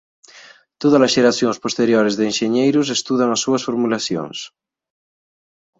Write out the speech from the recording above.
Tódalas xeracións posteriores de enxeñeiros estudan as súas formulacións.